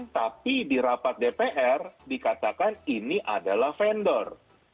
tapi di rapat dpr dikatakan ini adalah vendor